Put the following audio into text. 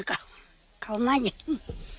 เขามาดึง